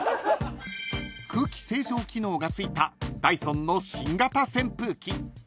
［空気清浄機能が付いたダイソンの新型扇風機］